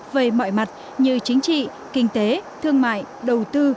về mọi mặt như chính trị kinh tế thương mại đầu tư